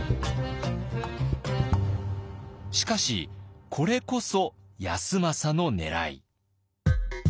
しかしこれこそ康政のねらい。